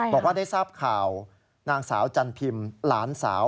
บอกว่าได้ทราบข่าวนางสาวจันพิมพ์หลานสาว